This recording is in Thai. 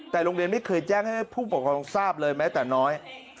แต่โรงเรียนไม่เคยแจ้งให้ผู้ปกครองทราบเลยแม้แต่น้อย